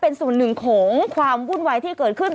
เป็นส่วนหนึ่งของความวุ่นวายที่เกิดขึ้น